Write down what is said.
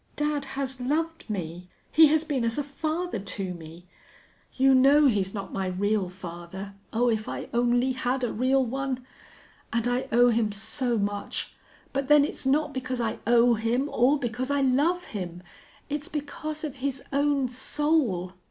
Dad has loved me. He has been as a father to me. You know he's not my real father. Oh, if I only had a real one!... And I owe him so much. But then it's not because I owe him or because I love him. It's because of his own soul!...